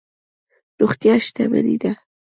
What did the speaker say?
روغتیا شتمني ده.